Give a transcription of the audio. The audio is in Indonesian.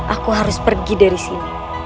aku harus pergi dari sini